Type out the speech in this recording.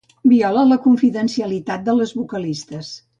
Viola la confidencialitat de les vocalistes.